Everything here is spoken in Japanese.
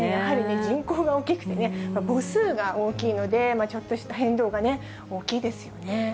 人口が大きくてね、母数が大きいので、ちょっとした変動が大きいですよね。